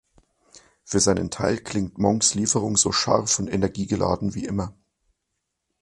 Für seinen Teil klingt Monks Lieferung so scharf und energiegeladen wie immer.